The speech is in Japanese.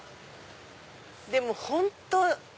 でも本当。